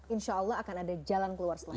insya allah akan ada jalan keluar selain itu